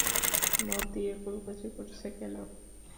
মদ দিয়ে কুলকুচি করছে কেন?